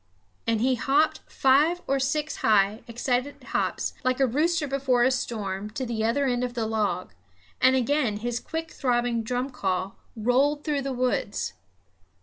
And he hopped, five or six high, excited hops, like a rooster before a storm, to the other end of the log, and again his quick throbbing drumcall rolled through the woods.